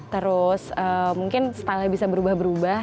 terus mungkin style nya bisa berubah berubah